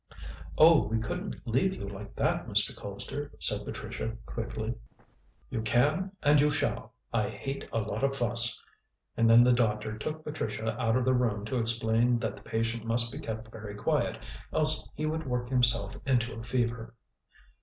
"Oh, we couldn't leave you like that, Mr. Colpster," said Patricia quickly. "You can and you shall. I hate a lot of fuss." And then the doctor took Patricia out of the room to explain that the patient must be kept very quiet, else he would work himself into a fever.